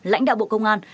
lãnh đạo bộ công an